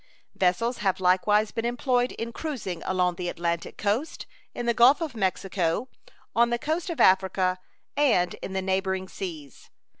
Vessels have likewise been employed in cruising along the Atlantic coast, in the Gulf of Mexico, on the coast of Africa, and in the neighboring seas.